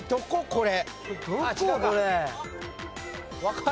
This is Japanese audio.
これ。